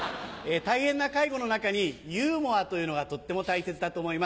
大変な介護の中にユーモアというのがとっても大切だと思います。